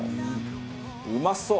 うまそう！